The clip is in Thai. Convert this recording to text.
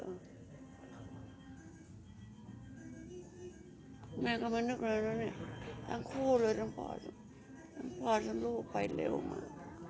คุณแมนก็มานึกเลยว่าทั้งคู่เลยทั้งพ่อทั้งลูกไปเร็วมา